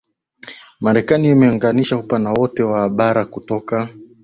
Marekani imeunganisha upana wote wa bara kutoka